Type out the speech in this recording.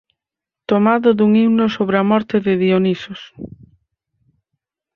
Tomado dun himno sobre a morte de Dionisos.